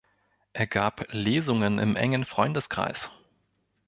Er gab Lesungen im engen Freundeskreis.